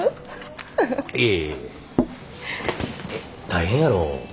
大変やろ。